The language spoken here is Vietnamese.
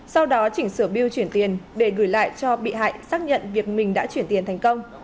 sau đó chỉnh sửa biêu chuyển tiền để gửi lại cho bị hại xác nhận việc mình đã chuyển tiền thành công